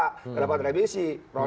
tidak dapat revisi